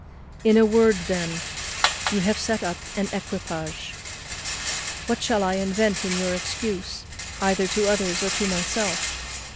In a word, then, you have set up an equipage. What shall I invent in your excuse, either to others or to myself?